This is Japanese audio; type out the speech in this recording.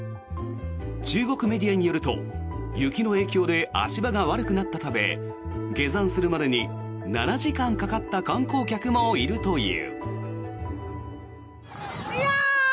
中国メディアによると雪の影響で足場が悪くなったため下山するまでに７時間かかった観光客もいるという。